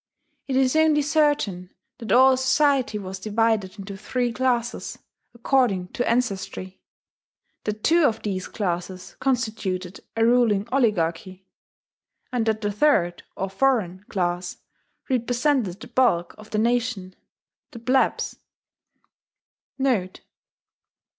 It is only certain that all society was divided into three classes, according to ancestry; that two of these classes constituted a ruling oligarchy;* and that the third, or "foreign" class represented the bulk of the nation, the plebs.